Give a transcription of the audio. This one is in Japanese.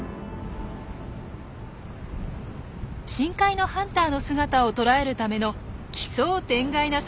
深海のハンターの姿を捉えるための奇想天外な作戦が行われました。